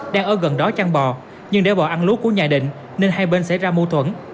đang ở gần đó chăn bò nhưng để bò ăn lúa của nhà định nên hai bên xảy ra mâu thuẫn